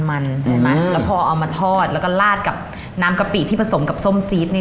แล้วพอเอามาทอดแล้วก็ลาดกับน้ำกะปิที่ผสมกับส้มจี๊ด